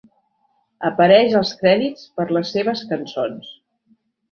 Apareix als crèdits per les seves cançons.